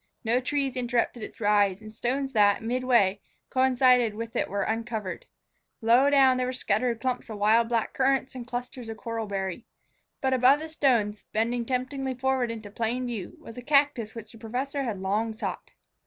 No trees interrupted its rise, and the stones that, midway, coincided with it were uncovered. Low down were scattered clumps of wild black currant and clusters of coral berry. But above the stones, bending temptingly forward into plain view, was a cactus which the professor had long sought.